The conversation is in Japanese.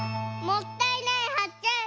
もったいないはっけん！